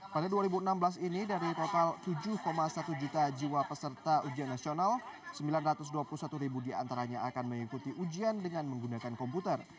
pada dua ribu enam belas ini dari total tujuh satu juta jiwa peserta ujian nasional sembilan ratus dua puluh satu ribu diantaranya akan mengikuti ujian dengan menggunakan komputer